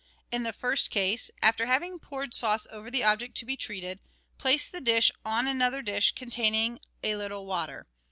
In the first case, after having poured sauce over the object to be treated, place the dish on another dish containing a little water.